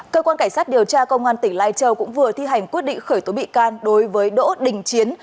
cơ quan cảnh sát điều tra công an tỉnh lai châu cũng vừa thi hành quyết định khởi tố bị can đối với đỗ đình chiến